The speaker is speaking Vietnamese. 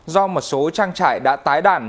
do một số trang trại đã tái đàn